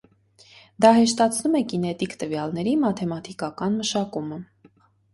Դա հեշտացնում է կինետիկ տվյալների մաթեմատիկական մշակումը։